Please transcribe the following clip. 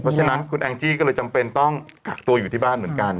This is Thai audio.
เพราะฉะนั้นคุณแองจี้ก็เลยจำเป็นต้องกักตัวอยู่ที่บ้านเหมือนกัน